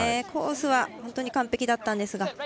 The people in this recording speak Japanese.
コースは本当に完璧だったんですが。